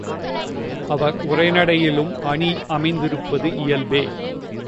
அவர் உரைநடையிலும் அணி அமைந்திருப்பது இயல்பே.